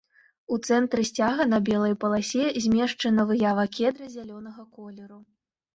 У цэнтры сцяга на белай паласе змешчана выява кедра зялёнага колеру.